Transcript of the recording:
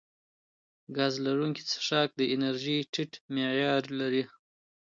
ګاز لرونکي څښاک د انرژۍ ټیټ معیار لري.